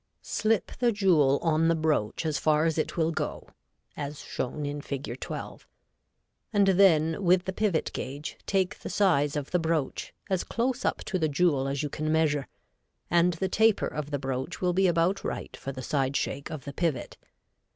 Slip the jewel on the broach as far as it will go, as shown in Fig. 12, and then with the pivot gauge, take the size of the broach, as close up to the jewel as you can measure, and the taper of the broach will be about right for the side shake of the pivot.